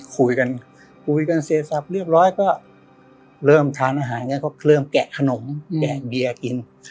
คุยกันเซศัพท์เรียบร้อยก็เริ่มทานอาหารก็เริ่มแกะขนมแกะเบียร์กิน